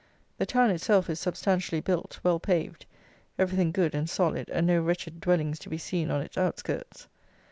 The town itself is substantially built, well paved, everything good and solid, and no wretched dwellings to be seen on its outskirts.